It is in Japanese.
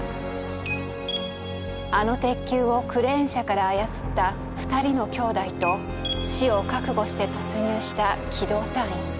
あの鉄球をクレーン車から操った２人の兄弟と死を覚悟して突入した機動隊員。